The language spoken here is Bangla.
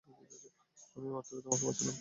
আমি মাত্রই তোমাদের বাঁচালাম!